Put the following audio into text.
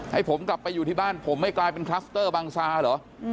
ให้ผมกลับไปอยู่ที่บ้านผมไม่กลายเป็นคลัสเตอร์บางซาเหรอ